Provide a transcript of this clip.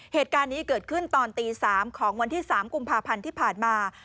เหตุการณ์นี้เกิดขึ้นตอนตี๓ของวันที่๓กุมภาพันธ์ที่ผ่านมา